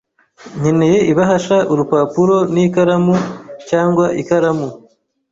Nkeneye ibahasha, urupapuro, n'ikaramu cyangwa ikaramu.